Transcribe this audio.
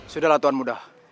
sudahlah tuhan muda